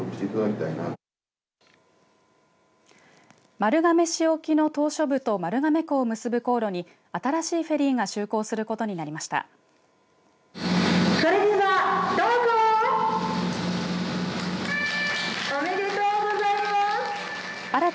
丸亀市沖の島しょ部と丸亀港を結ぶ航路に新しいフェリーが就航することになりました。